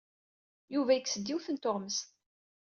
Yuba yekkes-d yiwet n tuɣmest.